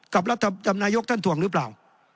กับรัฐบาลดำนายกท่านถวงดุลหรือเปล่า